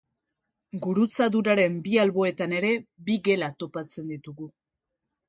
Gurutzaduraren bi alboetan ere bi gela topatzen ditugu.